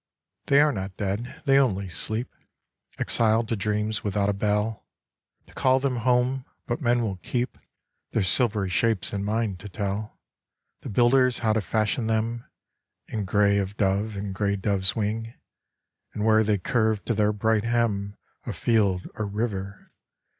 They are not dead, they only sleep, Exiled to dreams without a bell To call them home: but men will keep Their silvery shapes in mind to tell The builders how to fashion them In gray of dove and gray dove's wing, And where they curved to their bright hem Of field or river